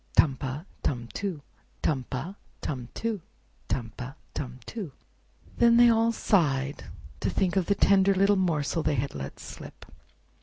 Tum pa, tum too; Tum pa, tum too; Tum pa, tum too!" Then they all sighed to think of the tender little morsel they had let slip.